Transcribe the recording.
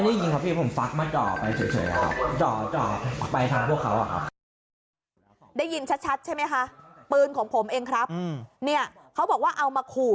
ได้ยินชัดใช่ไหมคะปืนของผมเองครับเนี่ยเขาบอกว่าเอามาขู่